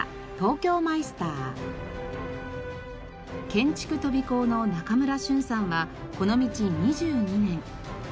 建築とび工の中村瞬さんはこの道２２年。